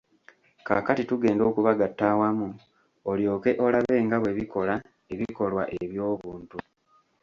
Kaakati tugenda okubagatta awamu, olyoke olabe nga bwe bikola ebikolwa eby'obuntu.